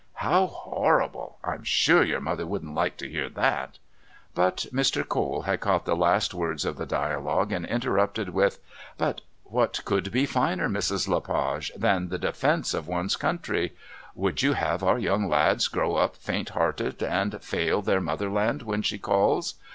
"How horrible! I'm sure your mother wouldn't like to hear that." But Mr. Cole had caught the last words of the dialogue and interrupted with: "But what could be finer, Mrs. Le Page, than the defence of one's country? Would you have our young lads grow up faint hearted and fail their Motherland when she calls?